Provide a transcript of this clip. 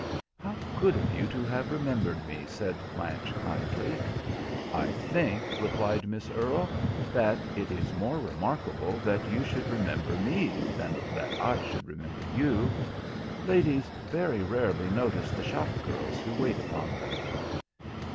"How good of you to have remembered me," said Blanche, kindly. "I think," replied Miss Earle, "that it is more remarkable that you should remember me than that I should remember you. Ladies very rarely notice the shop girls who wait upon them."